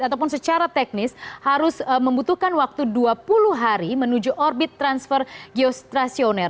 ataupun secara teknis harus membutuhkan waktu dua puluh hari menuju orbit transfer geostrasioner